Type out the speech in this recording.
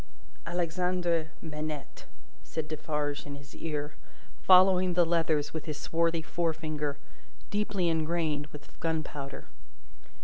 "Alexandre Manette," said Defarge in his ear, following the letters with his swart forefinger, deeply engrained with gunpowder.